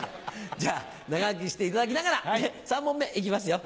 じゃあ長生きしていただきながら３問目いきますよ。